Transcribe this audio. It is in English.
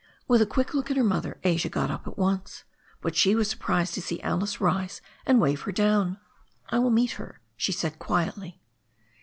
With a quick look at her mother, Asia got up at once. But she was surprised to see Alice rise and wave her down. "I will meet her," she said quietly.